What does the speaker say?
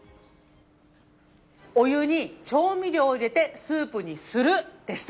お湯に調味料を入れてスープにするでした。